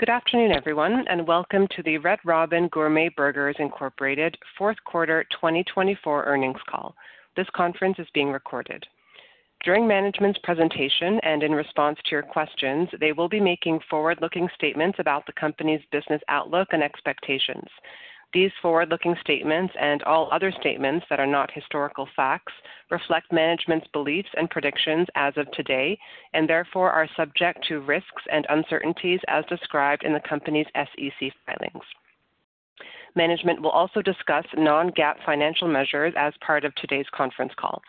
Good afternoon, everyone, and welcome to the Red Robin Gourmet Burgers fourth quarter 2024 earnings call. This conference is being recorded. During management's presentation and in response to your questions, they will be making forward-looking statements about the company's business outlook and expectations. These forward-looking statements and all other statements that are not historical facts reflect management's beliefs and predictions as of today and therefore are subject to risks and uncertainties as described in the company's SEC filings. Management will also discuss non-GAAP financial measures as part of today's conference call.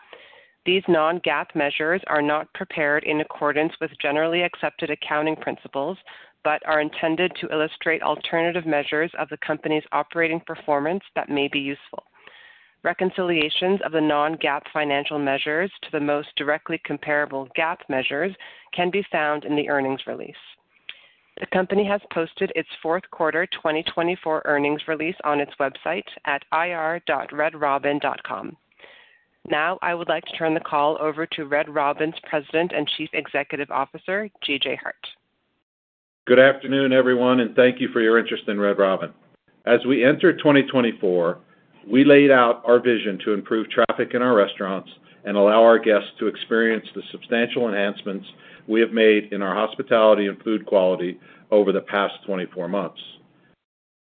These non-GAAP measures are not prepared in accordance with generally accepted accounting principles but are intended to illustrate alternative measures of the company's operating performance that may be useful. Reconciliations of the non-GAAP financial measures to the most directly comparable GAAP measures can be found in the earnings release. The company has posted its fourth quarter 2024 earnings release on its website at ir.redrobin.com. Now, I would like to turn the call over to Red Robin's President and Chief Executive Officer, G.J. Hart. Good afternoon, everyone, and thank you for your interest in Red Robin. As we enter 2024, we laid out our vision to improve traffic in our restaurants and allow our guests to experience the substantial enhancements we have made in our hospitality and food quality over the past 24 months.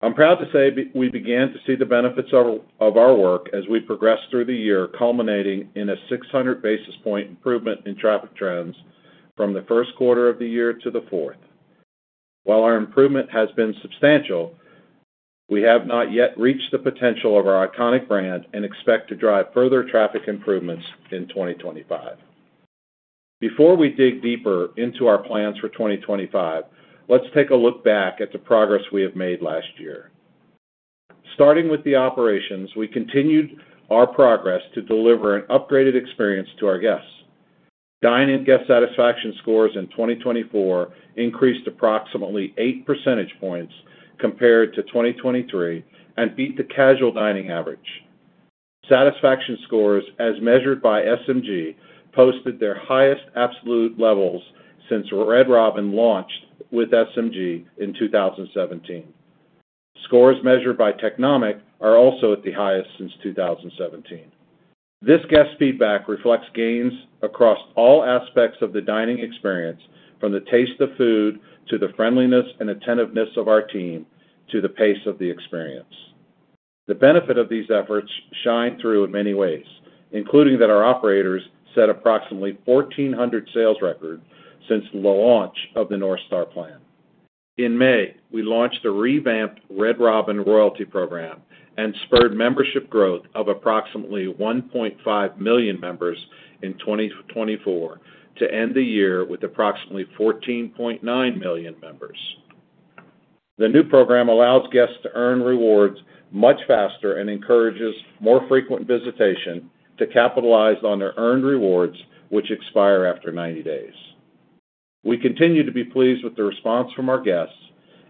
I'm proud to say we began to see the benefits of our work as we progressed through the year, culminating in a 600 basis point improvement in traffic trends from the first quarter of the year to the fourth. While our improvement has been substantial, we have not yet reached the potential of our iconic brand and expect to drive further traffic improvements in 2025. Before we dig deeper into our plans for 2025, let's take a look back at the progress we have made last year. Starting with the operations, we continued our progress to deliver an upgraded experience to our guests. Dine-In Guest Satisfaction Scores in 2024 increased approximately 8 percentage points compared to 2023 and beat the casual dining average. Satisfaction scores, as measured by SMG, posted their highest absolute levels since Red Robin launched with SMG in 2017. Scores measured by Technomic are also at the highest since 2017. This guest feedback reflects gains across all aspects of the dining experience, from the taste of food to the friendliness and attentiveness of our team to the pace of the experience. The benefit of these efforts shined through in many ways, including that our operators set approximately 1,400 sales records since the launch of the North Star plan. In May, we launched a revamped Red Robin loyalty program and spurred membership growth of approximately 1.5 million members in 2024 to end the year with approximately 14.9 million members. The new program allows guests to earn rewards much faster and encourages more frequent visitation to capitalize on their earned rewards, which expire after 90 days. We continue to be pleased with the response from our guests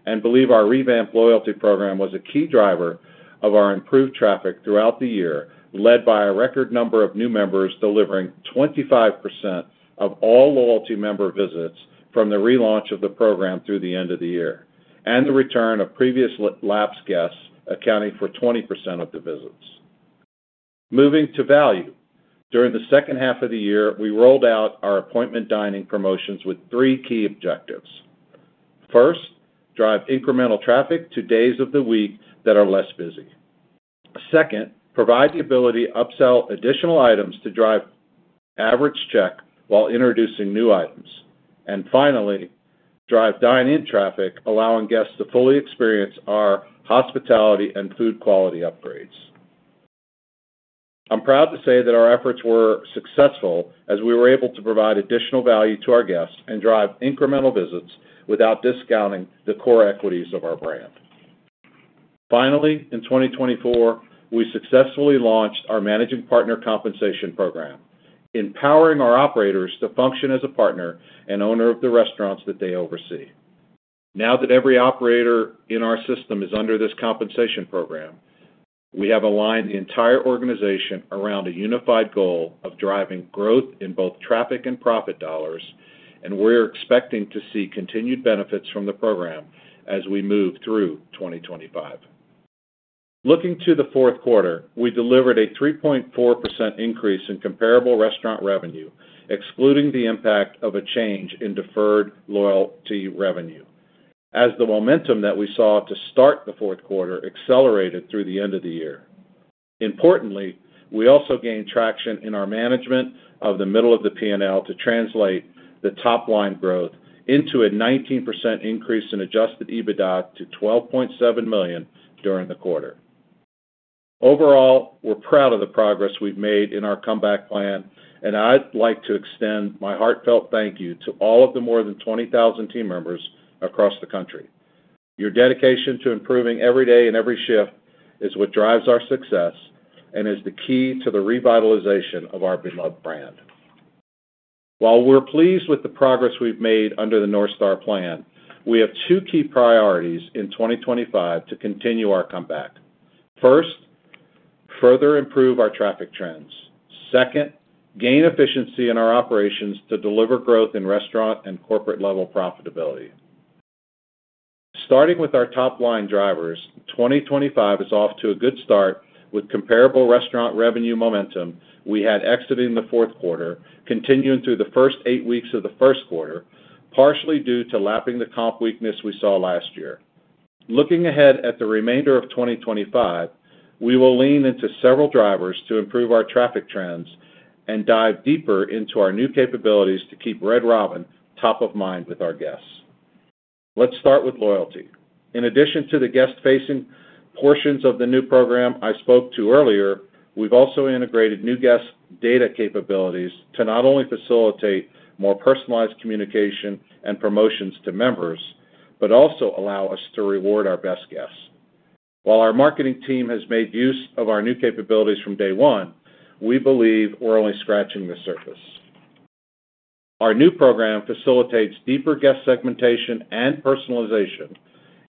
and believe our revamped loyalty program was a key driver of our improved traffic throughout the year, led by a record number of new members delivering 25% of all loyalty member visits from the relaunch of the program through the end of the year and the return of previous lapse guests accounting for 20% of the visits. Moving to value, during the second half of the year, we rolled out our appointment dining promotions with three key objectives. First, drive incremental traffic to days of the week that are less busy. Second, provide the ability to upsell additional items to drive average check while introducing new items. Finally, drive dine-in traffic, allowing guests to fully experience our hospitality and food quality upgrades. I'm proud to say that our efforts were successful as we were able to provide additional value to our guests and drive incremental visits without discounting the core equities of our brand. Finally, in 2024, we successfully launched our Managing Partner Compensation Program, empowering our operators to function as a partner and owner of the restaurants that they oversee. Now that every operator in our system is under this compensation program, we have aligned the entire organization around a unified goal of driving growth in both traffic and profit dollars, and we're expecting to see continued benefits from the program as we move through 2025. Looking to the fourth quarter, we delivered a 3.4% increase in comparable restaurant revenue, excluding the impact of a change in deferred loyalty revenue, as the momentum that we saw to start the fourth quarter accelerated through the end of the year. Importantly, we also gained traction in our management of the middle of the P&L to translate the top line growth into a 19% increase in adjusted EBITDA to $12.7 million during the quarter. Overall, we're proud of the progress we've made in our comeback plan, and I'd like to extend my heartfelt thank you to all of the more than 20,000 team members across the country. Your dedication to improving every day and every shift is what drives our success and is the key to the revitalization of our beloved brand. While we're pleased with the progress we've made under the North Star plan, we have two key priorities in 2025 to continue our comeback. First, further improve our traffic trends. Second, gain efficiency in our operations to deliver growth in restaurant and corporate-level profitability. Starting with our top line drivers, 2025 is off to a good start with comparable restaurant revenue momentum we had exiting the fourth quarter, continuing through the first eight weeks of the first quarter, partially due to lapping the comp weakness we saw last year. Looking ahead at the remainder of 2025, we will lean into several drivers to improve our traffic trends and dive deeper into our new capabilities to keep Red Robin top of mind with our guests. Let's start with loyalty. In addition to the guest-facing portions of the new program I spoke to earlier, we've also integrated new guest data capabilities to not only facilitate more personalized communication and promotions to members, but also allow us to reward our best guests. While our marketing team has made use of our new capabilities from day one, we believe we're only scratching the surface. Our new program facilitates deeper guest segmentation and personalization,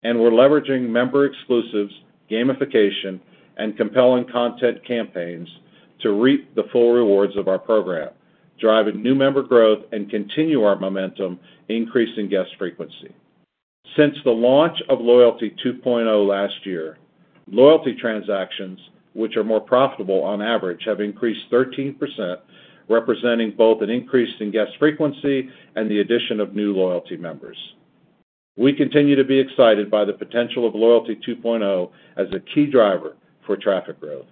and we're leveraging member exclusives, gamification, and compelling content campaigns to reap the full rewards of our program, driving new member growth and continuing our momentum, increasing guest frequency. Since the launch of Loyalty 2.0 last year, loyalty transactions, which are more profitable on average, have increased 13%, representing both an increase in guest frequency and the addition of new loyalty members. We continue to be excited by the potential of Loyalty 2.0 as a key driver for traffic growth.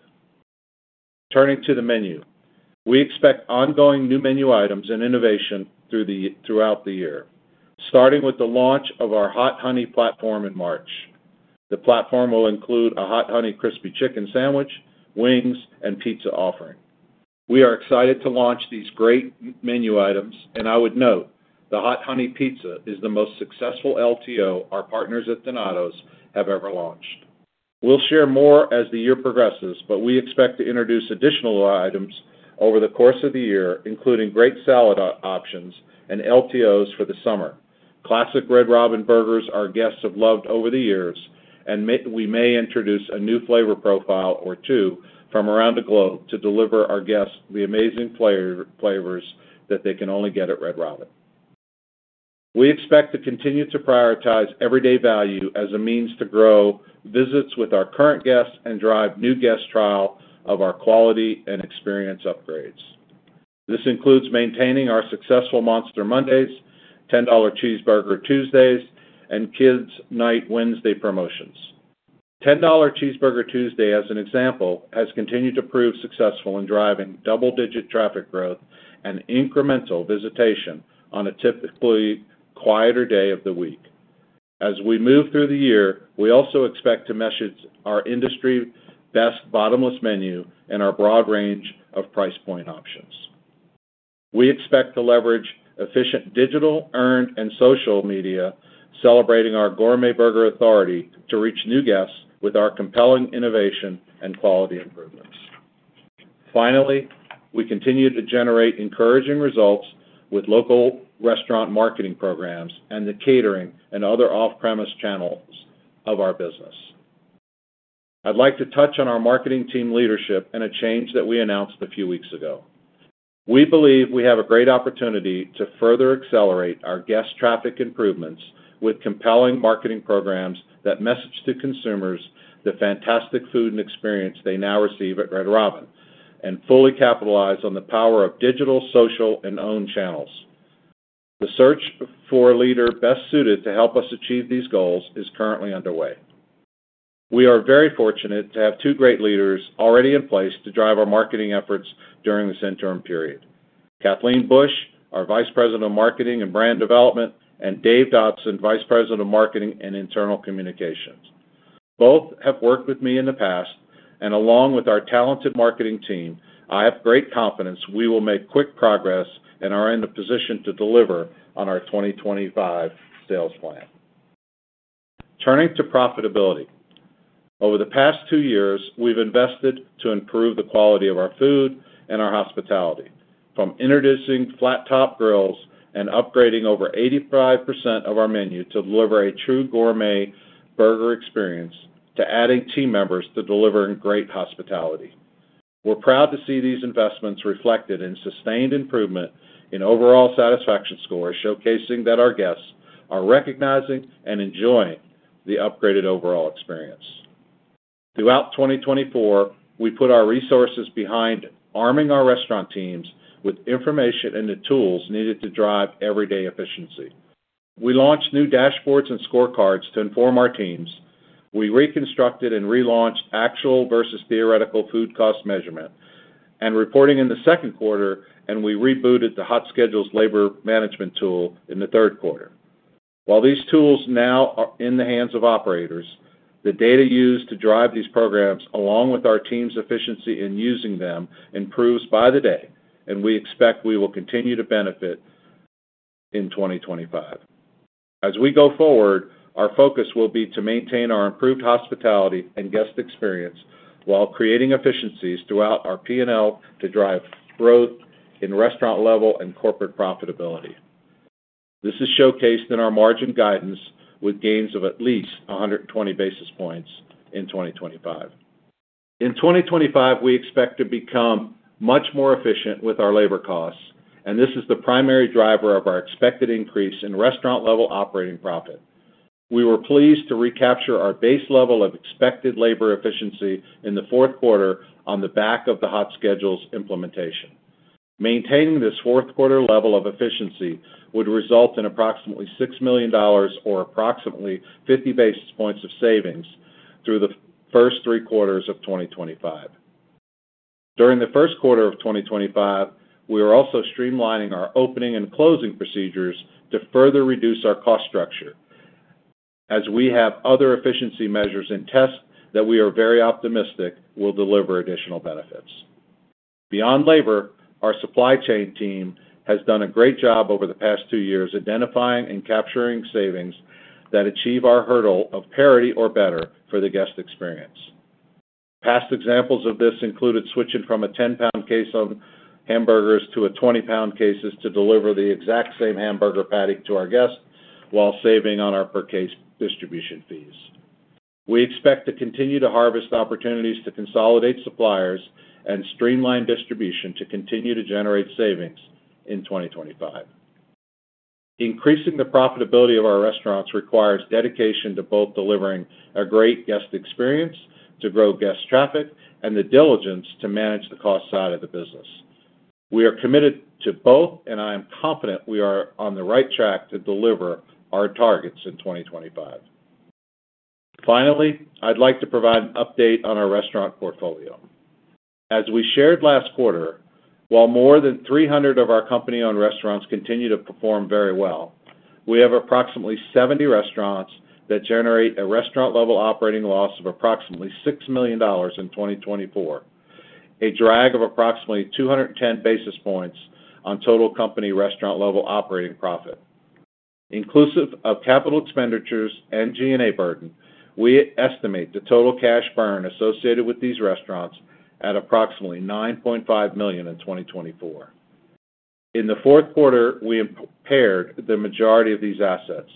Turning to the menu, we expect ongoing new menu items and innovation throughout the year, starting with the launch of our Hot Honey platform in March. The platform will include a Hot Honey crispy chicken sandwich, wings, and pizza offering. We are excited to launch these great menu items, and I would note the Hot Honey pizza is the most successful LTO our partners at Donato's have ever launched. We'll share more as the year progresses, but we expect to introduce additional items over the course of the year, including great salad options and LTOs for the summer. Classic Red Robin burgers our guests have loved over the years, and we may introduce a new flavor profile or two from around the globe to deliver our guests the amazing flavors that they can only get at Red Robin. We expect to continue to prioritize everyday value as a means to grow visits with our current guests and drive new guest trial of our quality and experience upgrades. This includes maintaining our successful Monster Monday, $10 Cheeseburger Tuesday, and Kids Day on Wednesday promotions. $10 Cheeseburger Tuesday, as an example, has continued to prove successful in driving double-digit traffic growth and incremental visitation on a typically quieter day of the week. As we move through the year, we also expect to message our industry-best bottomless menu and our broad range of price point options. We expect to leverage efficient digital, earned, and social media, celebrating our gourmet burger authority to reach new guests with our compelling innovation and quality improvements. Finally, we continue to generate encouraging results with local restaurant marketing programs and the catering and other off-premise channels of our business. I'd like to touch on our marketing team leadership and a change that we announced a few weeks ago. We believe we have a great opportunity to further accelerate our guest traffic improvements with compelling marketing programs that message to consumers the fantastic food and experience they now receive at Red Robin and fully capitalize on the power of digital, social, and owned channels. The search for a leader best suited to help us achieve these goals is currently underway. We are very fortunate to have two great leaders already in place to drive our marketing efforts during this interim period: Kathleen Bush, our Vice President of Marketing and Brand Development, and Dave Dotson, Vice President of Marketing and Internal Communications. Both have worked with me in the past, and along with our talented marketing team, I have great confidence we will make quick progress and are in a position to deliver on our 2025 sales plan. Turning to profitability, over the past two years, we've invested to improve the quality of our food and our hospitality. From introducing flat-top grills and upgrading over 85% of our menu to deliver a true gourmet burger experience to adding team members to delivering great hospitality. We're proud to see these investments reflected in sustained improvement in overall satisfaction scores, showcasing that our guests are recognizing and enjoying the upgraded overall experience. Throughout 2024, we put our resources behind arming our restaurant teams with information and the tools needed to drive everyday efficiency. We launched new dashboards and scorecards to inform our teams. We reconstructed and relaunched actual versus theoretical food cost measurement and reporting in the second quarter, and we rebooted the Hot Schedules Labor Management tool in the third quarter. While these tools now are in the hands of operators, the data used to drive these programs, along with our team's efficiency in using them, improves by the day, and we expect we will continue to benefit in 2025. As we go forward, our focus will be to maintain our improved hospitality and guest experience while creating efficiencies throughout our P&L to drive growth in restaurant-level and corporate profitability. This is showcased in our margin guidance with gains of at least 120 basis points in 2025. In 2025, we expect to become much more efficient with our labor costs, and this is the primary driver of our expected increase in restaurant-level operating profit. We were pleased to recapture our base level of expected labor efficiency in the fourth quarter on the back of the Hot Schedules implementation. Maintaining this fourth quarter level of efficiency would result in approximately $6 million or approximately 50 basis points of savings through the first three quarters of 2025. During the first quarter of 2025, we are also streamlining our opening and closing procedures to further reduce our cost structure. As we have other efficiency measures in test that we are very optimistic will deliver additional benefits. Beyond labor, our supply chain team has done a great job over the past two years identifying and capturing savings that achieve our hurdle of parity or better for the guest experience. Past examples of this included switching from a 10-pound case of hamburgers to a 20-pound case to deliver the exact same hamburger patty to our guests while saving on our per-case distribution fees. We expect to continue to harvest opportunities to consolidate suppliers and streamline distribution to continue to generate savings in 2025. Increasing the profitability of our restaurants requires dedication to both delivering a great guest experience to grow guest traffic and the diligence to manage the cost side of the business. We are committed to both, and I am confident we are on the right track to deliver our targets in 2025. Finally, I'd like to provide an update on our restaurant portfolio. As we shared last quarter, while more than 300 of our company-owned restaurants continue to perform very well, we have approximately 70 restaurants that generate a restaurant-level operating loss of approximately $6 million in 2024, a drag of approximately 210 basis points on total company restaurant-level operating profit. Inclusive of capital expenditures and G&A burden, we estimate the total cash burn associated with these restaurants at approximately $9.5 million in 2024. In the fourth quarter, we impaired the majority of these assets,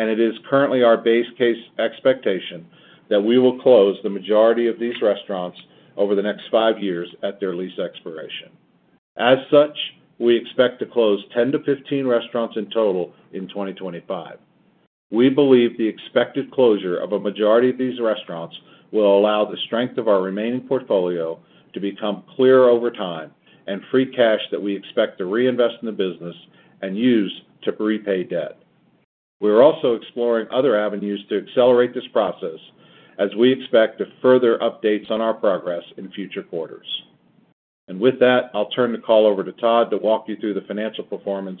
and it is currently our base case expectation that we will close the majority of these restaurants over the next five years at their lease expiration. As such, we expect to close 10-15 restaurants in total in 2025. We believe the expected closure of a majority of these restaurants will allow the strength of our remaining portfolio to become clearer over time and free cash that we expect to reinvest in the business and use to repay debt. We are also exploring other avenues to accelerate this process as we expect further updates on our progress in future quarters. With that, I'll turn the call over to Todd to walk you through the financial performance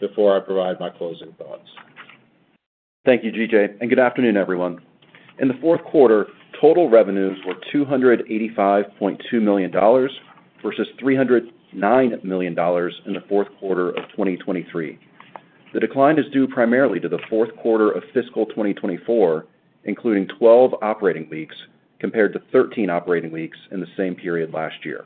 before I provide my closing thoughts. Thank you, G.J., and good afternoon, everyone. In the fourth quarter, total revenues were $285.2 million versus $309 million in the fourth quarter of 2023. The decline is due primarily to the fourth quarter of fiscal 2024 including 12 operating weeks compared to 13 operating weeks in the same period last year.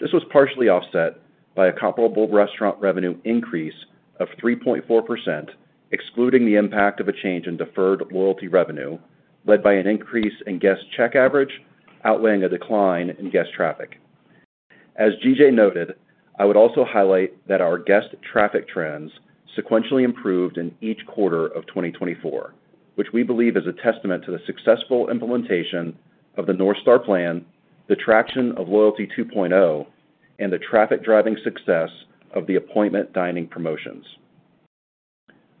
This was partially offset by a comparable restaurant revenue increase of 3.4%, excluding the impact of a change in deferred loyalty revenue led by an increase in guest check average outweighing a decline in guest traffic. As G.J. noted, I would also highlight that our guest traffic trends sequentially improved in each quarter of 2024, which we believe is a testament to the successful implementation of the North Star plan, the traction of Loyalty 2.0, and the traffic-driving success of the appointment dining promotions.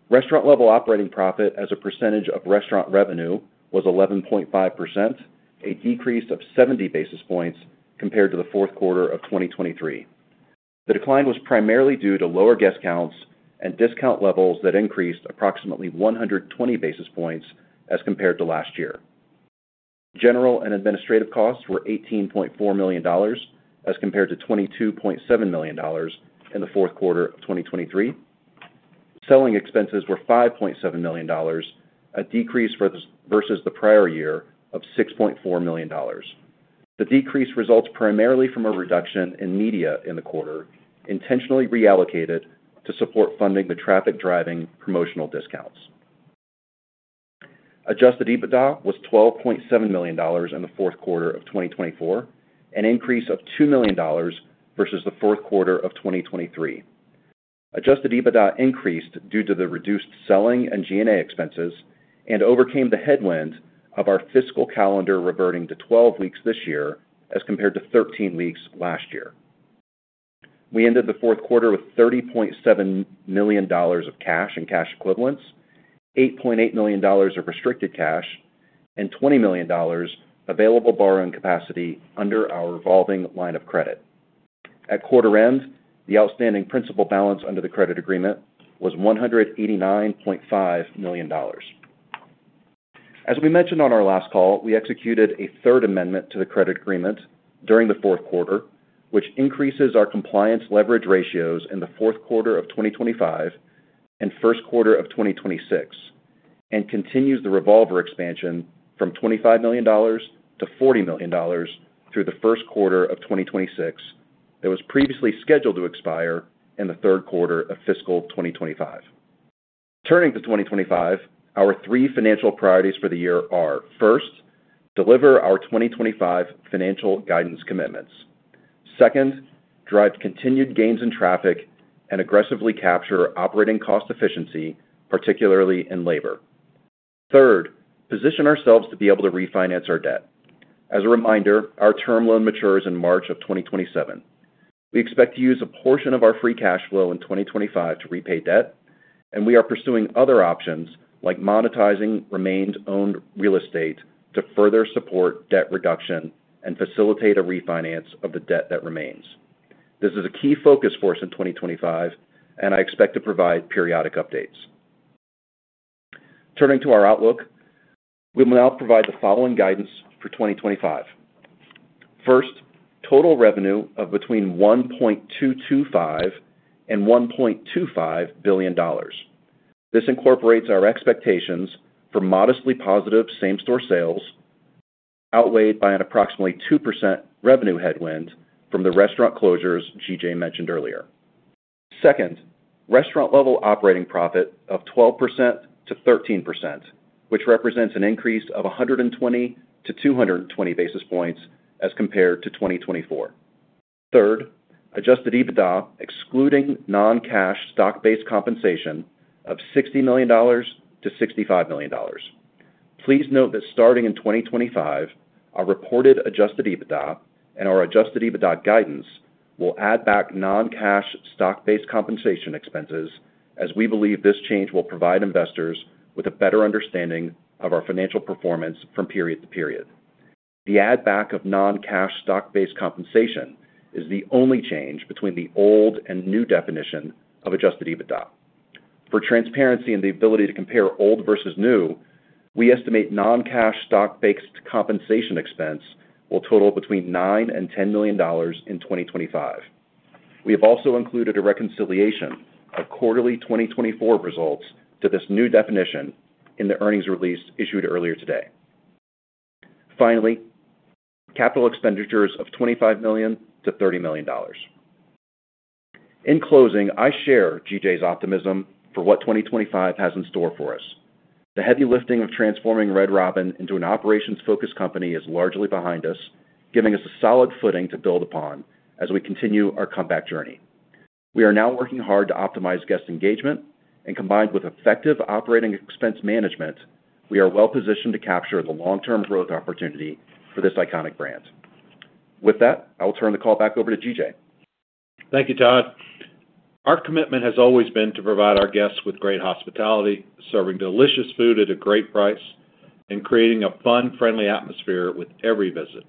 Restaurant-level operating profit as a percentage of restaurant revenue was 11.5%, a decrease of 70 basis points compared to the fourth quarter of 2023. The decline was primarily due to lower guest counts and discount levels that increased approximately 120 basis points as compared to last year. General and administrative costs were $18.4 million as compared to $22.7 million in the fourth quarter of 2023. Selling expenses were $5.7 million, a decrease versus the prior year of $6.4 million. The decrease results primarily from a reduction in media in the quarter, intentionally reallocated to support funding the traffic-driving promotional discounts. Adjusted EBITDA was $12.7 million in the fourth quarter of 2024, an increase of $2 million versus the fourth quarter of 2023. Adjusted EBITDA increased due to the reduced selling and G&A expenses and overcame the headwind of our fiscal calendar reverting to 12 weeks this year as compared to 13 weeks last year. We ended the fourth quarter with $30.7 million of cash and cash equivalents, $8.8 million of restricted cash, and $20 million of available borrowing capacity under our revolving line of credit. At quarter end, the outstanding principal balance under the credit agreement was $189.5 million. As we mentioned on our last call, we executed a third amendment to the credit agreement during the fourth quarter, which increases our compliance leverage ratios in the fourth quarter of 2025 and first quarter of 2026 and continues the revolver expansion from $25 million to $40 million through the first quarter of 2026 that was previously scheduled to expire in the third quarter of fiscal 2025. Turning to 2025, our three financial priorities for the year are, first, deliver our 2025 financial guidance commitments. Second, drive continued gains in traffic and aggressively capture operating cost efficiency, particularly in labor. Third, position ourselves to be able to refinance our debt. As a reminder, our term loan matures in March of 2027. We expect to use a portion of our free cash flow in 2025 to repay debt, and we are pursuing other options like monetizing remaining owned real estate to further support debt reduction and facilitate a refinance of the debt that remains. This is a key focus for us in 2025, and I expect to provide periodic updates. Turning to our outlook, we will now provide the following guidance for 2025. First, total revenue of between $1.225 billion and $1.25 billion. This incorporates our expectations for modestly positive same-store sales outweighed by an approximately 2% revenue headwind from the restaurant closures G.J. mentioned earlier. Second, restaurant-level operating profit of 12%-13%, which represents an increase of 120-220 basis points as compared to 2024. Third, adjusted EBITDA excluding non-cash stock-based compensation of $60 million-$65 million. Please note that starting in 2025, our reported adjusted EBITDA and our adjusted EBITDA guidance will add back non-cash stock-based compensation expenses as we believe this change will provide investors with a better understanding of our financial performance from period to period. The add-back of non-cash stock-based compensation is the only change between the old and new definition of adjusted EBITDA. For transparency and the ability to compare old versus new, we estimate non-cash stock-based compensation expense will total between $9 million and $10 million in 2025. We have also included a reconciliation of quarterly 2024 results to this new definition in the earnings release issued earlier today. Finally, capital expenditures of $25 million-$30 million. In closing, I share G.J. Hart's optimism for what 2025 has in store for us. The heavy lifting of transforming Red Robin into an operations-focused company is largely behind us, giving us a solid footing to build upon as we continue our comeback journey. We are now working hard to optimize guest engagement, and combined with effective operating expense management, we are well-positioned to capture the long-term growth opportunity for this iconic brand. With that, I will turn the call back over to G.J. Thank you, Todd. Our commitment has always been to provide our guests with great hospitality, serving delicious food at a great price, and creating a fun, friendly atmosphere with every visit.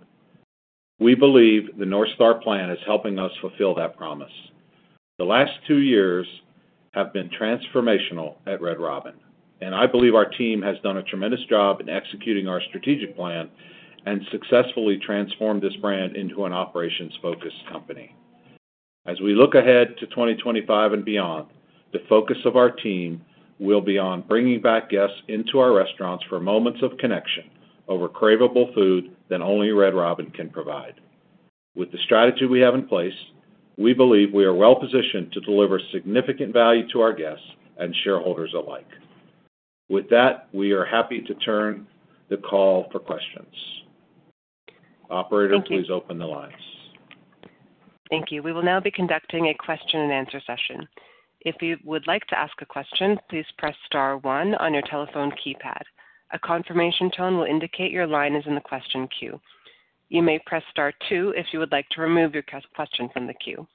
We believe the North Star plan is helping us fulfill that promise. The last two years have been transformational at Red Robin, and I believe our team has done a tremendous job in executing our strategic plan and successfully transformed this brand into an operations-focused company. As we look ahead to 2025 and beyond, the focus of our team will be on bringing back guests into our restaurants for moments of connection over craveable food that only Red Robin can provide. With the strategy we have in place, we believe we are well-positioned to deliver significant value to our guests and shareholders alike. With that, we are happy to turn the call for questions. Operator, please open the lines. Thank you. We will now be conducting a question-and-answer session. If you would like to ask a question, please press star one on your telephone keypad. A confirmation tone will indicate your line is in the question queue. You may press star two if you would like to remove your question from the queue.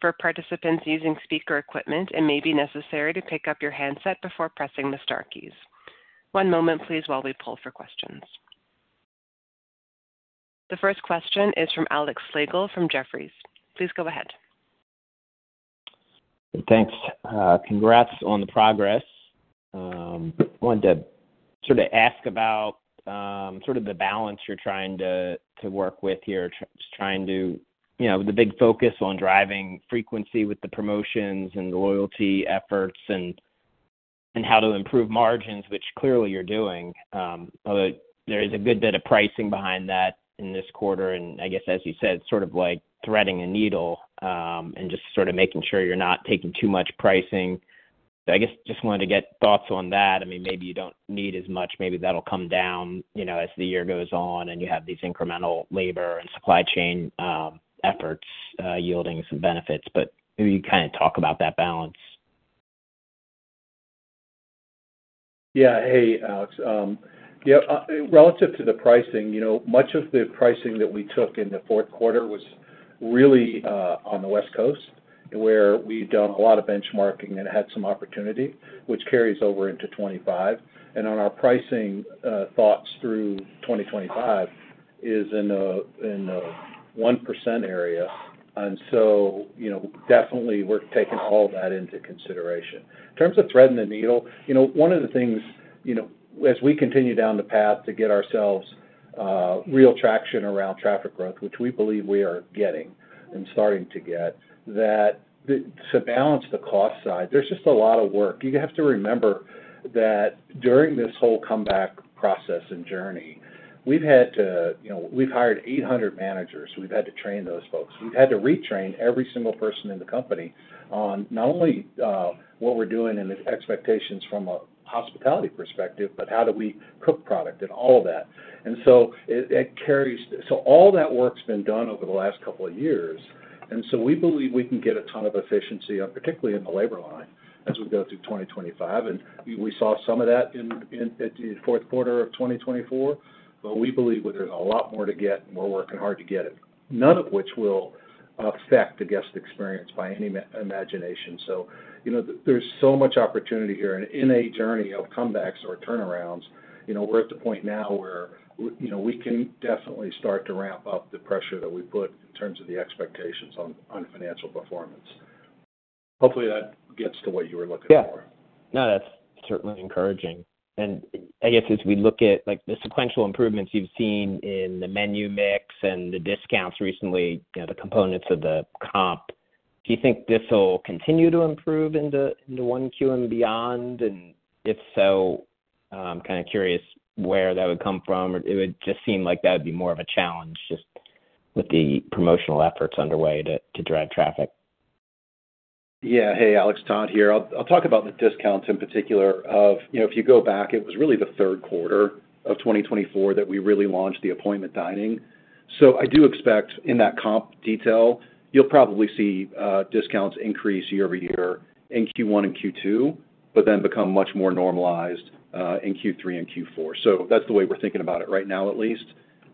For participants using speaker equipment, it may be necessary to pick up your handset before pressing the star keys. One moment, please, while we pull for questions. The first question is from Alex Slagel from Jefferies. Please go ahead. Thanks. Congrats on the progress. I wanted to sort of ask about sort of the balance you're trying to work with here, trying to, you know, the big focus on driving frequency with the promotions and the loyalty efforts and how to improve margins, which clearly you're doing. There is a good bit of pricing behind that in this quarter, and I guess, as you said, sort of like threading a needle and just sort of making sure you're not taking too much pricing. I guess just wanted to get thoughts on that. I mean, maybe you don't need as much. Maybe that'll come down, you know, as the year goes on and you have these incremental labor and supply chain efforts yielding some benefits. Maybe you kind of talk about that balance. Yeah. Hey, Alex. Yeah, relative to the pricing, you know, much of the pricing that we took in the fourth quarter was really on the West Coast, where we've done a lot of benchmarking and had some opportunity, which carries over into 2025. On our pricing thoughts through 2025 is in the 1% area. You know, definitely we're taking all that into consideration. In terms of threading the needle, you know, one of the things, you know, as we continue down the path to get ourselves real traction around traffic growth, which we believe we are getting and starting to get, that to balance the cost side, there's just a lot of work. You have to remember that during this whole comeback process and journey, we've had to, you know, we've hired 800 managers. We've had to train those folks. We've had to retrain every single person in the company on not only what we're doing and the expectations from a hospitality perspective, but how do we cook product and all of that. It carries, so all that work's been done over the last couple of years. We believe we can get a ton of efficiency, particularly in the labor line, as we go through 2025. We saw some of that in the fourth quarter of 2024, but we believe there's a lot more to get, and we're working hard to get it, none of which will affect the guest experience by any imagination. You know, there's so much opportunity here in a journey of comebacks or turnarounds. You know, we're at the point now where, you know, we can definitely start to ramp up the pressure that we put in terms of the expectations on financial performance. Hopefully, that gets to what you were looking for. Yeah. No, that's certainly encouraging. I guess as we look at, like, the sequential improvements you've seen in the menu mix and the discounts recently, you know, the components of the comp, do you think this will continue to improve into one Q and beyond? If so, I'm kind of curious where that would come from. It would just seem like that would be more of a challenge just with the promotional efforts underway to drive traffic. Yeah. Hey, Alex, Todd here. I'll talk about the discounts in particular of, you know, if you go back, it was really the third quarter of 2024 that we really launched the appointment dining. I do expect in that comp detail, you'll probably see discounts increase year over year in Q1 and Q2, but then become much more normalized in Q3 and Q4. That's the way we're thinking about it right now, at least.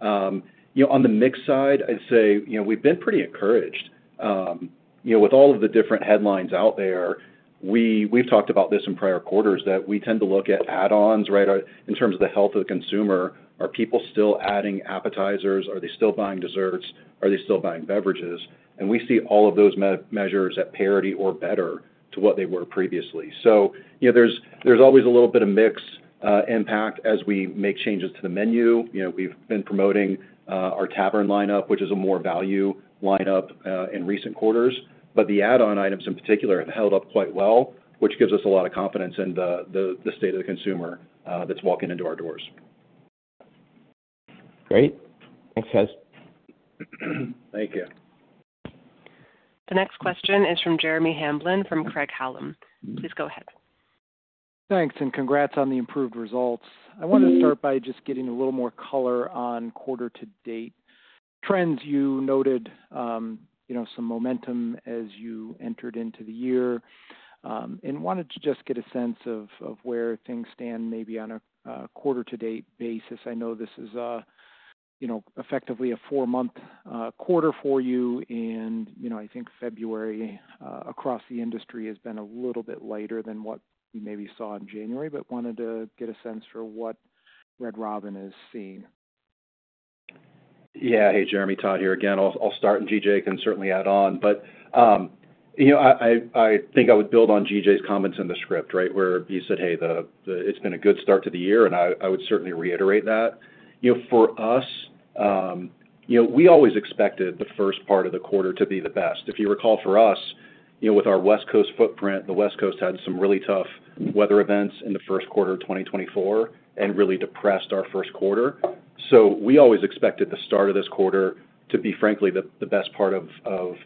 You know, on the mix side, I'd say, you know, we've been pretty encouraged. You know, with all of the different headlines out there, we've talked about this in prior quarters that we tend to look at add-ons, right, in terms of the health of the consumer. Are people still adding appetizers? Are they still buying desserts? Are they still buying beverages? We see all of those measures at parity or better to what they were previously. You know, there's always a little bit of mixed impact as we make changes to the menu. You know, we've been promoting our tavern lineup, which is a more value lineup in recent quarters, but the add-on items in particular have held up quite well, which gives us a lot of confidence in the state of the consumer that's walking into our doors. Great. Thanks, guys. Thank you. The next question is from Jeremy Hamblin from Craig-Hallum. Please go ahead. Thanks. And congrats on the improved results. I wanted to start by just getting a little more color on quarter-to-date trends. You noted, you know, some momentum as you entered into the year. I wanted to just get a sense of where things stand maybe on a quarter-to-date basis. I know this is, you know, effectively a four-month quarter for you. You know, I think February across the industry has been a little bit lighter than what we maybe saw in January, but wanted to get a sense for what Red Robin is seeing. Yeah. Hey, Jeremy, Todd here again. I'll start, and G.J. can certainly add on. You know, I think I would build on G.J.'s comments in the script, right, where you said, "Hey, it's been a good start to the year," and I would certainly reiterate that. You know, for us, you know, we always expected the first part of the quarter to be the best. If you recall for us, with our West Coast footprint, the West Coast had some really tough weather events in the first quarter of 2024 and really depressed our first quarter. We always expected the start of this quarter to be, frankly, the best part of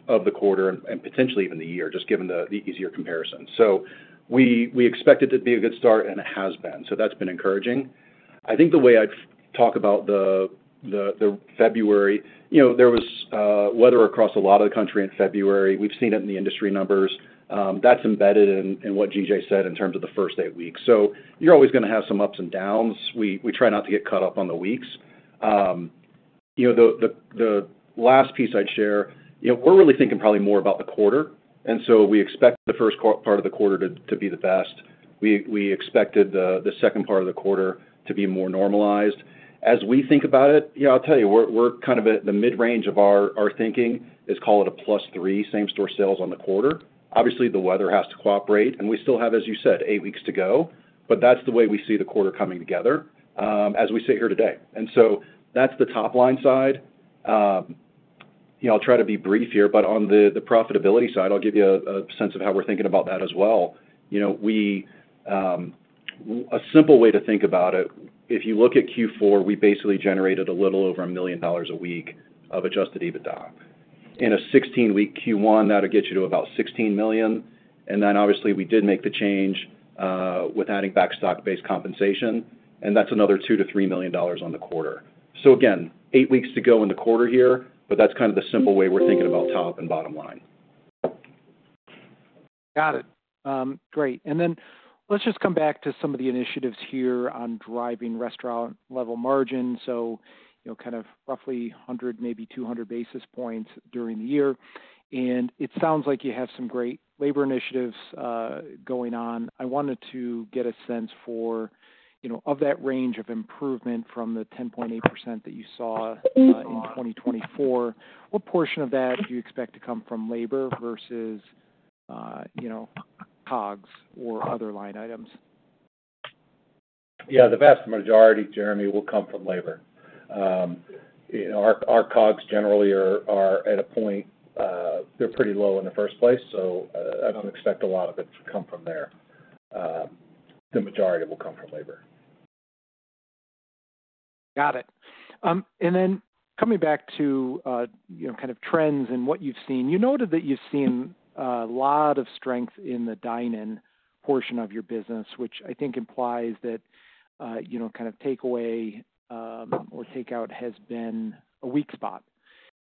the quarter and potentially even the year, just given the easier comparison. We expected it to be a good start, and it has been. That's been encouraging. I think the way I'd talk about February, you know, there was weather across a lot of the country in February. We've seen it in the industry numbers. That's embedded in what G.J. said in terms of the first eight weeks. You're always going to have some ups and downs. We try not to get caught up on the weeks. The last piece I'd share, you know, we're really thinking probably more about the quarter. We expect the first part of the quarter to be the best. We expected the second part of the quarter to be more normalized. As we think about it, you know, I'll tell you, we're kind of at the mid-range of our thinking is call it a plus three, same-store sales on the quarter. Obviously, the weather has to cooperate, and we still have, as you said, eight weeks to go, but that's the way we see the quarter coming together as we sit here today. That's the top-line side. You know, I'll try to be brief here, but on the profitability side, I'll give you a sense of how we're thinking about that as well. You know, a simple way to think about it, if you look at Q4, we basically generated a little over a million dollars a week of adjusted EBITDA. In a 16-week Q1, that would get you to about $16 million. Obviously, we did make the change with adding back stock-based compensation, and that's another $2 million-$3 million on the quarter. Again, eight weeks to go in the quarter here, but that's kind of the simple way we're thinking about top and bottom line. Got it. Great. Let's just come back to some of the initiatives here on driving restaurant-level margins. You know, kind of roughly 100, maybe 200 basis points during the year. It sounds like you have some great labor initiatives going on. I wanted to get a sense for, you know, of that range of improvement from the 10.8% that you saw in 2024. What portion of that do you expect to come from labor versus, you know, cogs or other line items? Yeah. The vast majority, Jeremy, will come from labor. You know, our COGS generally are at a point they're pretty low in the first place, so I don't expect a lot of it to come from there. The majority will come from labor. Got it. Then coming back to, you know, kind of trends and what you've seen, you noted that you've seen a lot of strength in the dine-in portion of your business, which I think implies that, you know, kind of takeaway or takeout has been a weak spot.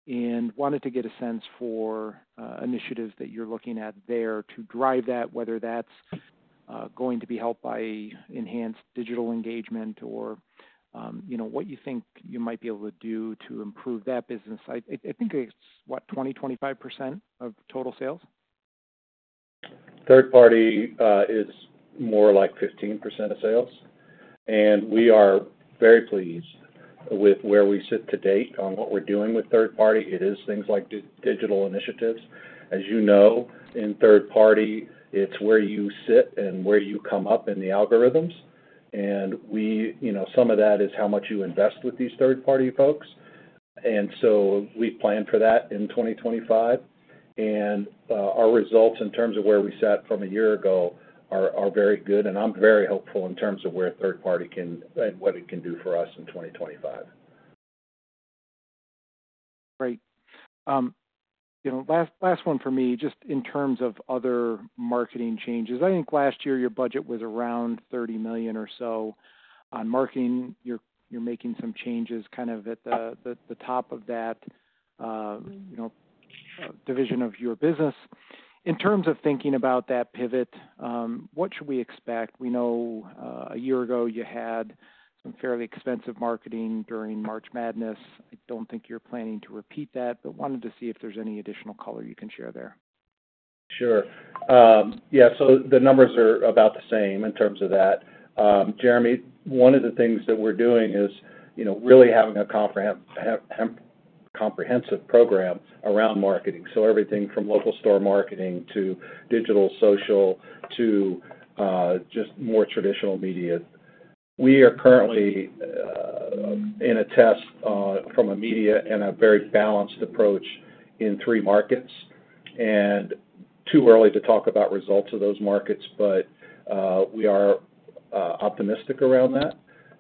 I wanted to get a sense for initiatives that you're looking at there to drive that, whether that's going to be helped by enhanced digital engagement or, you know, what you think you might be able to do to improve that business. I think it's, what, 20-25% of total sales? Third-party is more like 15% of sales. We are very pleased with where we sit to date on what we're doing with third-party. It is things like digital initiatives. As you know, in third-party, it's where you sit and where you come up in the algorithms. We, you know, some of that is how much you invest with these third-party folks. We plan for that in 2025. Our results in terms of where we sat from a year ago are very good. I am very hopeful in terms of where third-party can and what it can do for us in 2025. Great. You know, last one for me, just in terms of other marketing changes. I think last year your budget was around $30 million or so on marketing. You're making some changes kind of at the top of that, you know, division of your business. In terms of thinking about that pivot, what should we expect? We know a year ago you had some fairly expensive marketing during March Madness. I do not think you are planning to repeat that, but wanted to see if there is any additional color you can share there. Sure. Yeah. The numbers are about the same in terms of that. Jeremy, one of the things that we are doing is, you know, really having a comprehensive program around marketing. Everything from local store marketing to digital social to just more traditional media. We are currently in a test from a media and a very balanced approach in three markets. Too early to talk about results of those markets, but we are optimistic around that.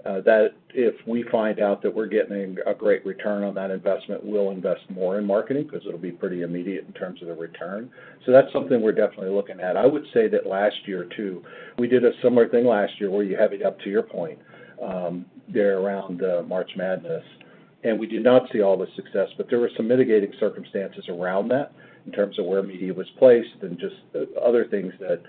That if we find out that we're getting a great return on that investment, we'll invest more in marketing because it'll be pretty immediate in terms of the return. That is something we're definitely looking at. I would say that last year too, we did a similar thing last year where you have it up to your point there around March Madness. We did not see all the success, but there were some mitigating circumstances around that in terms of where media was placed and just other things that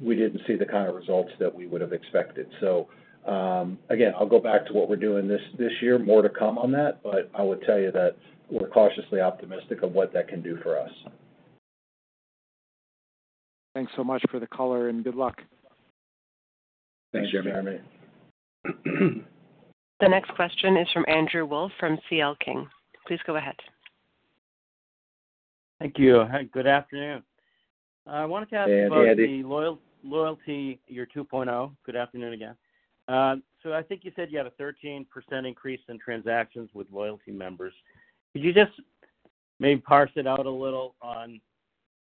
we did not see the kind of results that we would have expected. I will go back to what we're doing this year, more to come on that, but I would tell you that we're cautiously optimistic of what that can do for us. Thanks so much for the color and good luck. Thanks, Jeremy. The next question is from Andrew Wolf from C.L. King. Please go ahead. Thank you. Good afternoon. I wanted to ask about the loyalty, your 2.0. Good afternoon again. I think you said you had a 13% increase in transactions with loyalty members. Could you just maybe parse it out a little on,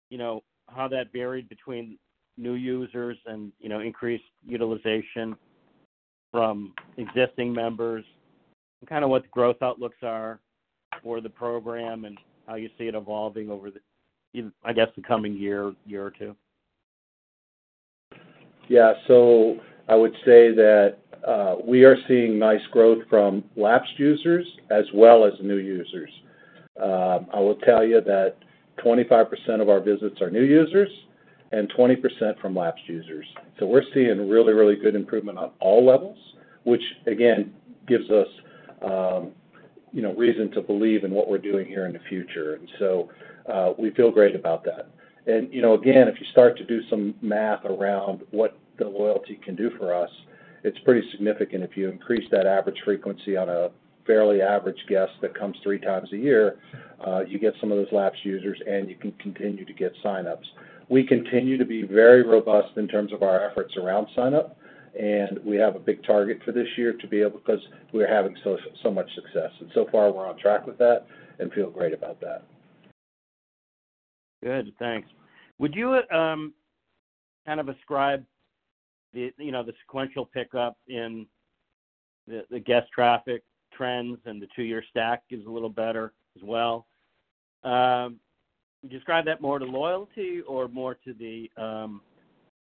you know, how that varied between new users and, you know, increased utilization from existing members and kind of what the growth outlooks are for the program and how you see it evolving over, I guess, the coming year, year or two? Yeah. I would say that we are seeing nice growth from lapsed users as well as new users. I will tell you that 25% of our visits are new users and 20% from lapsed users. We're seeing really, really good improvement on all levels, which, again, gives us, you know, reason to believe in what we're doing here in the future. We feel great about that. You know, again, if you start to do some math around what the loyalty can do for us, it's pretty significant. If you increase that average frequency on a fairly average guest that comes three times a year, you get some of those lapsed users and you can continue to get sign-ups. We continue to be very robust in terms of our efforts around sign-up, and we have a big target for this year to be able because we're having so much success. So far, we're on track with that and feel great about that. Good. Thanks. Would you kind of ascribe the, you know, the sequential pickup in the guest traffic trends and the two-year stack is a little better as well? Describe that more to loyalty or more to the,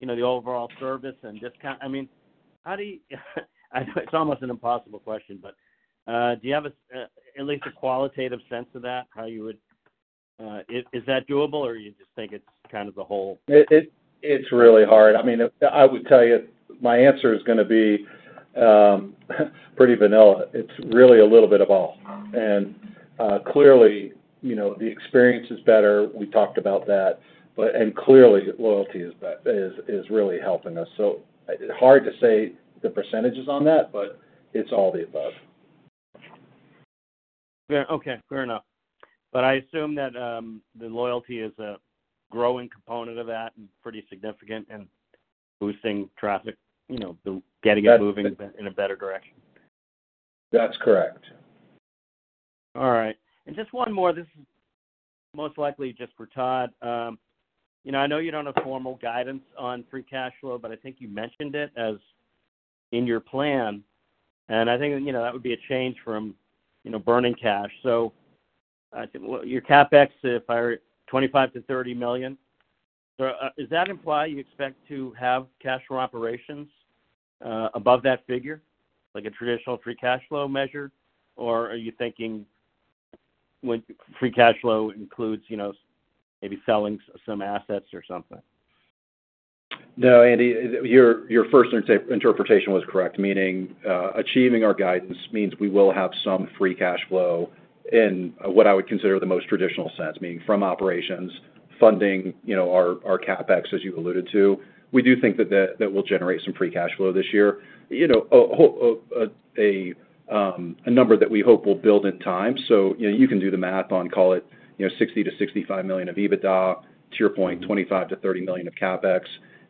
you know, the overall service and discount. I mean, how do you—it's almost an impossible question, but do you have at least a qualitative sense of that, how you would—is that doable or you just think it's kind of the whole? It's really hard. I mean, I would tell you my answer is going to be pretty vanilla. It's really a little bit of all. Clearly, you know, the experience is better. We talked about that. Clearly, loyalty is really helping us. So hard to say the percentages on that, but it's all the above. Okay. Fair enough. I assume that the loyalty is a growing component of that and pretty significant in boosting traffic, you know, getting it moving in a better direction. That's correct. All right. Just one more. This is most likely just for Todd. You know, I know you don't have formal guidance on free cash flow, but I think you mentioned it as in your plan. I think, you know, that would be a change from, you know, burning cash. Your CapEx, if I 25 to 30 million, does that imply you expect to have cash flow operations above that figure, like a traditional free cash flow measure, or are you thinking when free cash flow includes, you know, maybe selling some assets or something? No, Andy, your first interpretation was correct, meaning achieving our guidance means we will have some free cash flow in what I would consider the most traditional sense, meaning from operations, funding, you know, our CapEx, as you alluded to. We do think that that will generate some free cash flow this year. You know, a number that we hope will build in time. You can do the math on, call it, you know, $60 million-$65 million of EBITDA, to your point, $25 million-$30 million of CapEx.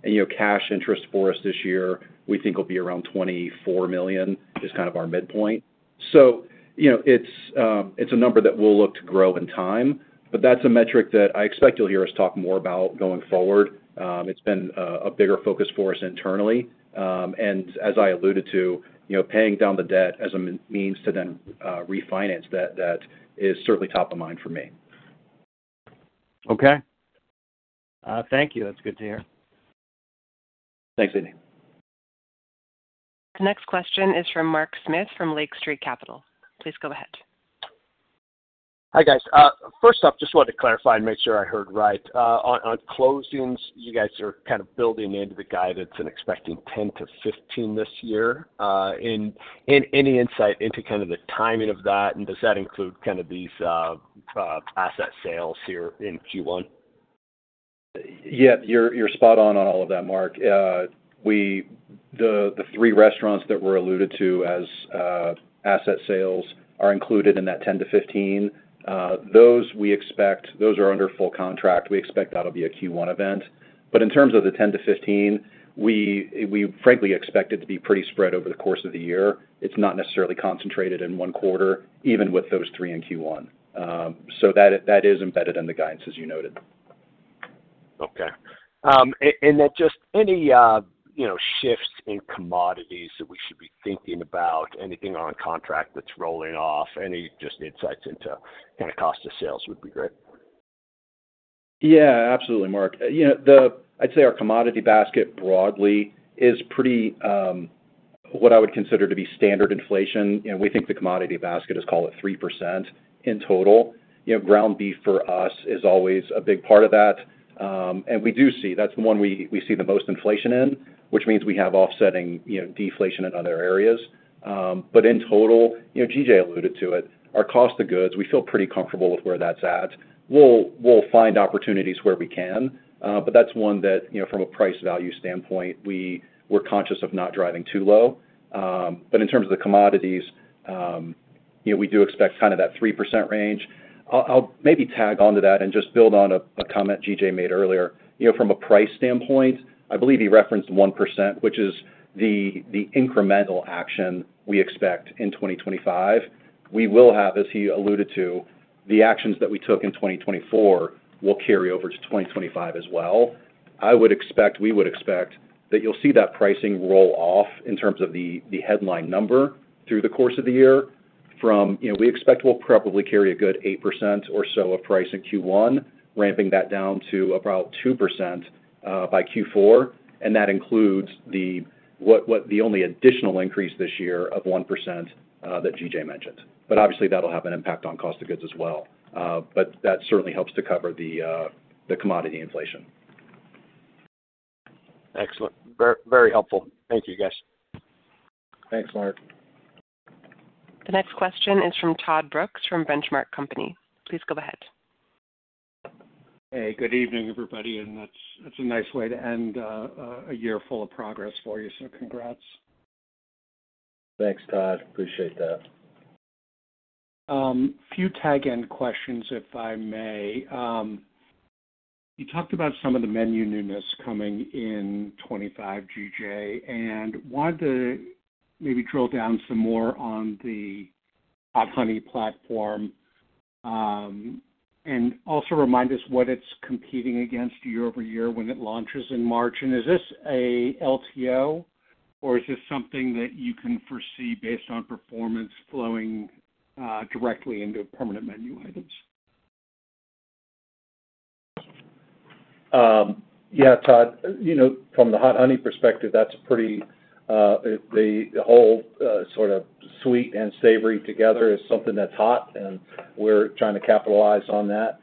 You know, cash interest for us this year, we think will be around $24 million is kind of our midpoint. You know, it's a number that we'll look to grow in time, but that's a metric that I expect you'll hear us talk more about going forward. It's been a bigger focus for us internally. As I alluded to, you know, paying down the debt as a means to then refinance that is certainly top of mind for me. Okay. Thank you. That's good to hear. Thanks, Andy. The next question is from Mark Smith from Lake Street Capital. Please go ahead. Hi, guys. First off, just wanted to clarify and make sure I heard right. On closings, you guys are kind of building into the guidance and expecting 10-15 this year. And any insight into kind of the timing of that, and does that include kind of these asset sales here in Q1? Yeah. You're spot on on all of that, Mark. The three restaurants that were alluded to as asset sales are included in that 10-15. Those we expect, those are under full contract. We expect that'll be a Q1 event. In terms of the 10-15, we frankly expect it to be pretty spread over the course of the year. It is not necessarily concentrated in one quarter, even with those three in Q1. That is embedded in the guidance, as you noted. Okay. Just any, you know, shifts in commodities that we should be thinking about, anything on contract that is rolling off, any just insights into kind of cost of sales would be great. Yeah. Absolutely, Mark. You know, I would say our commodity basket broadly is pretty what I would consider to be standard inflation. You know, we think the commodity basket is, call it 3% in total. You know, ground beef for us is always a big part of that. We do see that is the one we see the most inflation in, which means we have offsetting, you know, deflation in other areas. In total, you know, G.J. alluded to it, our cost of goods, we feel pretty comfortable with where that's at. We'll find opportunities where we can, but that's one that, you know, from a price value standpoint, we're conscious of not driving too low. In terms of the commodities, you know, we do expect kind of that 3% range. I'll maybe tag on to that and just build on a comment G.J. made earlier. You know, from a price standpoint, I believe he referenced 1%, which is the incremental action we expect in 2025. We will have, as he alluded to, the actions that we took in 2024 will carry over to 2025 as well. I would expect, we would expect that you'll see that pricing roll off in terms of the headline number through the course of the year from, you know, we expect we'll probably carry a good 8% or so of price in Q1, ramping that down to about 2% by Q4. That includes the only additional increase this year of 1% that G.J. mentioned. Obviously, that'll have an impact on cost of goods as well. That certainly helps to cover the commodity inflation. Excellent. Very helpful. Thank you, guys. Thanks, Mark. The next question is from Todd Brooks from Benchmark Company. Please go ahead. Hey, good evening, everybody. That's a nice way to end a year full of progress for you. Congrats. Thanks, Todd. Appreciate that. Few tag end questions, if I may. You talked about some of the menu newness coming in 2025, G.J., and wanted to maybe drill down some more on the Hot Honey platform and also remind us what it's competing against year over year when it launches in March. Is this a LTO, or is this something that you can foresee based on performance flowing directly into permanent menu items? Yeah, Todd. You know, from the Hot Honey perspective, that's pretty—the whole sort of sweet and savory together is something that's hot, and we're trying to capitalize on that.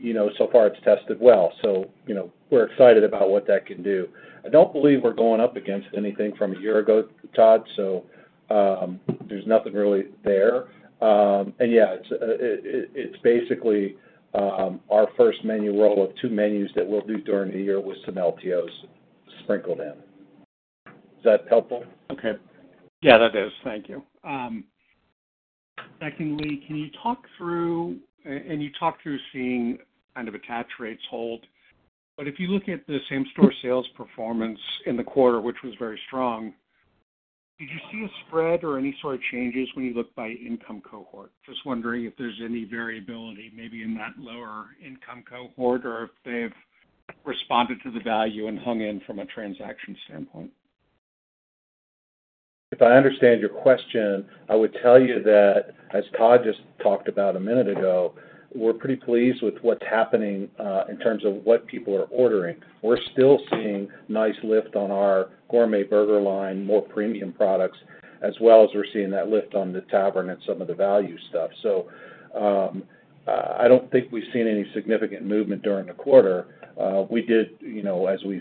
You know, so far it's tested well. You know, we're excited about what that can do. I don't believe we're going up against anything from a year ago, Todd, so there's nothing really there. Yeah, it's basically our first menu roll of two menus that we'll do during the year with some LTOs sprinkled in. Is that helpful? Okay. Yeah, that is. Thank you. Secondly, can you talk through, and you talked through seeing kind of attach rates hold, but if you look at the same store sales performance in the quarter, which was very strong, did you see a spread or any sort of changes when you looked by income cohort? Just wondering if there's any variability maybe in that lower income cohort or if they've responded to the value and hung in from a transaction standpoint. If I understand your question, I would tell you that, as Todd just talked about a minute ago, we're pretty pleased with what's happening in terms of what people are ordering. We're still seeing nice lift on our gourmet burger line, more premium products, as well as we're seeing that lift on the tavern and some of the value stuff. I don't think we've seen any significant movement during the quarter. We did, you know, as we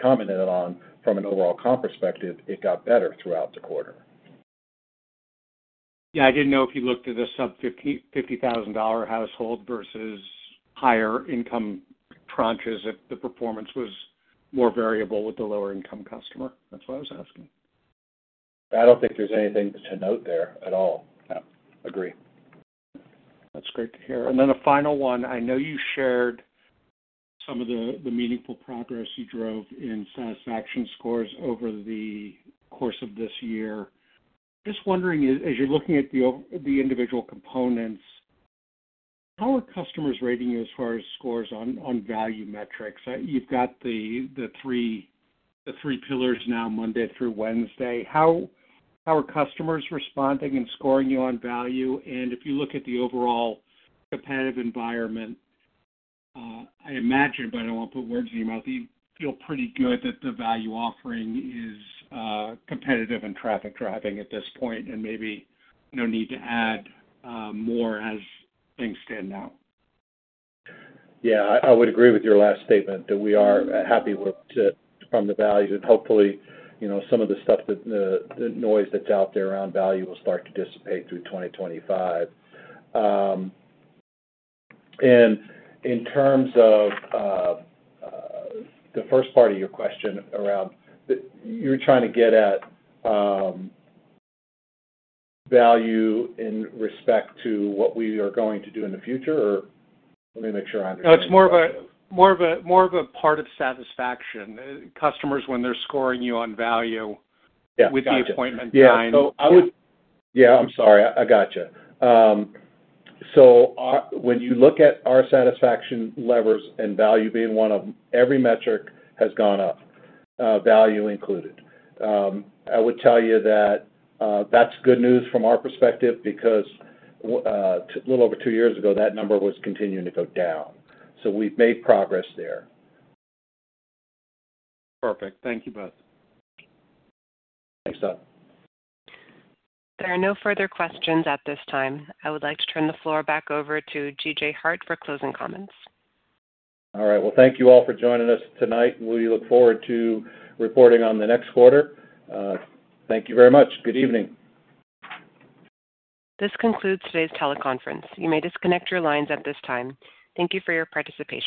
commented on from an overall comp perspective, it got better throughout the quarter. Yeah. I didn't know if you looked at the sub-$50,000 household versus higher income tranches if the performance was more variable with the lower income customer. That's why I was asking. I don't think there's anything to note there at all. Agree. That's great to hear. A final one. I know you shared some of the meaningful progress you drove in satisfaction scores over the course of this year. Just wondering, as you're looking at the individual components, how are customers rating you as far as scores on value metrics? You've got the three pillars now, Monday through Wednesday. How are customers responding and scoring you on value? If you look at the overall competitive environment, I imagine, but I don't want to put words in your mouth, that you feel pretty good that the value offering is competitive and traffic driving at this point and maybe no need to add more as things stand now. Yeah. I would agree with your last statement that we are happy from the value. Hopefully, you know, some of the stuff, the noise that's out there around value will start to dissipate through 2025. In terms of the first part of your question around, you're trying to get at value in respect to what we are going to do in the future, or let me make sure I understand. No, it's more of a part of satisfaction. Customers, when they're scoring you on value with the appointment time. Yeah. I would— yeah, I'm sorry. I got you. When you look at our satisfaction levers and value being one of them, every metric has gone up, value included. I would tell you that that's good news from our perspective because a little over two years ago, that number was continuing to go down. We've made progress there. Perfect. Thank you both. Thanks, Todd. There are no further questions at this time. I would like to turn the floor back over to G.J. Hart for closing comments. All right. Thank you all for joining us tonight. We look forward to reporting on the next quarter. Thank you very much. Good evening. This concludes today's teleconference. You may disconnect your lines at this time. Thank you for your participation.